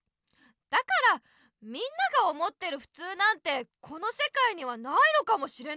だからみんなが思ってるふつうなんてこのせかいにはないのかもしれない。